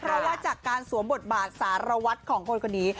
เพราะว่าจากการสวมบทบาทสารวัตรของคนคนนี้